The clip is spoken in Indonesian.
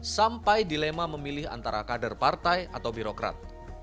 sampai dilema memilih antara kader partai atau birokrat